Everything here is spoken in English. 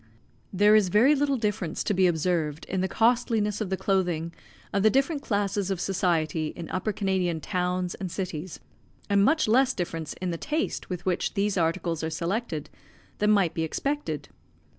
There is very little difference to be observed in the costliness of the clothing of the different classes of society in Upper Canadian towns and cities, and much less difference in the taste with which these articles are selected, than might be expected.